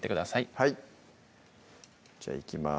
はいじゃあいきます